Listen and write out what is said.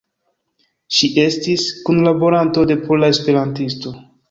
Ŝi estis kunlaboranto de Pola Esperantisto.